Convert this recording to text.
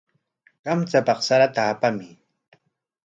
Kamchapaq sarata apamuy.